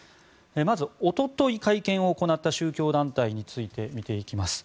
まず、おととい会見を行った宗教団体について見ていきます。